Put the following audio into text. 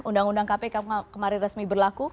undang undang kpk kemarin resmi berlaku